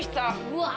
うわ。